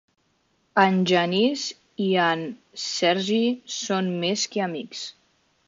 En Genís i en Sergi són més que amics.